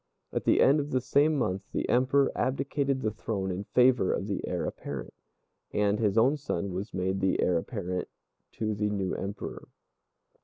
At the end of the same month the Emperor abdicated the throne in favor of the Heir apparent, and his own son was made the Heir apparent to the new Emperor.